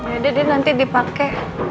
ya udah dia nanti dipake